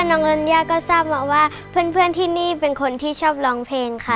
น้องลัญญาก็ทราบมาว่าเพื่อนที่นี่เป็นคนที่ชอบร้องเพลงค่ะ